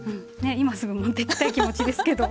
今すぐ持っていきたい気持ちですけど。